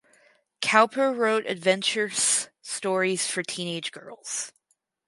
Cowper wrote adventures stories for teenage girls.